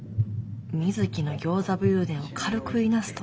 水木のギョーザ武勇伝を軽くいなすとは。